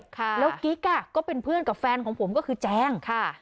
แล้วกิ๊กอ่ะก็เป็นเพื่อนกับแฟนของผมก็คือแจงค่ะ